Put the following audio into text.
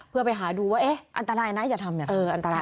เพื่อไปหาดูว่าเอ๊ะอันตรายนะอย่าทำอย่างนั้น